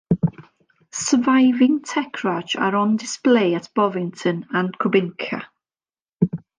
Surviving Tetrarch are on display at Bovington and Kubinka.